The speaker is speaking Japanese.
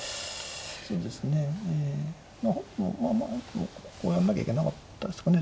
そうですねええ本譜もまあまあこうやんなきゃいけなかったですかね。